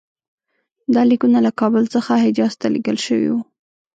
دا لیکونه له کابل څخه حجاز ته لېږل شوي وو.